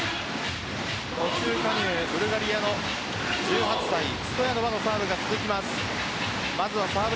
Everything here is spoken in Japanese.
途中加入、ブルガリアの１８歳ストヤノバのサーブが続きます。